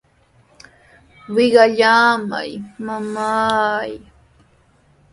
¡Wiyallamay, mamay!